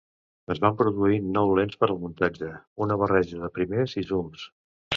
Es van produir nou lents per al muntatge, una barreja de primers i zooms.